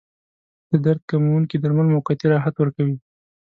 د درد کموونکي درمل موقتي راحت ورکوي.